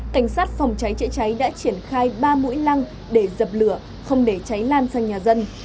cảnh sát phòng cháy chữa cháy đã triển khai ba mũi lăng để dập lửa không để cháy lan sang nhà dân